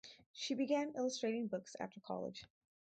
She began illustrating books after college.